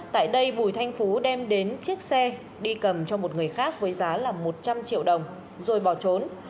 tại đây bùi thanh phú đem đến chiếc xe đi cầm cho một người khác với giá là một trăm linh triệu đồng rồi bỏ trốn